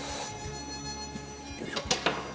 よいしょ。